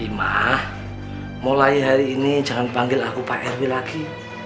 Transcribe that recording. imah mulai hari ini jangan panggil aku pak rw lagi